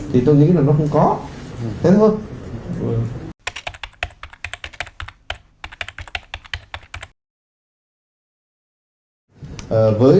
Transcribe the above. thì tôi nghĩ là nó không có